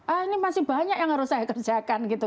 ah ini masih banyak yang harus saya kerjakan gitu